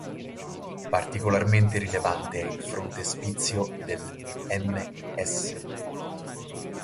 Particolarmente rilevante è il frontespizio del ms.